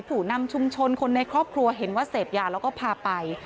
ผู้นำชุมชนคนในครอบครัวเห็นว่าเสพยาแล้วก็พาไป